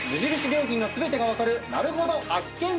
良品の全てが分かるなるほど発見ツアー！